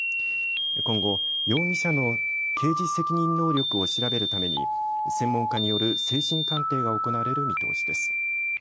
今後、容疑者の刑事責任能力を調べるために専門家による精神鑑定が行われる見通しです。